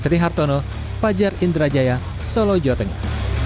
seri hartono pajar indrajaya solo jawa tengah